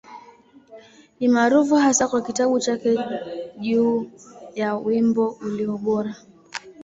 Ni maarufu hasa kwa kitabu chake juu ya Wimbo Ulio Bora.